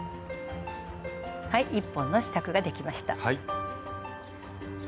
はい１本の支度ができました。